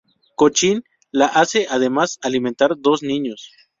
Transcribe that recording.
Cochin la hace además alimentar dos niños.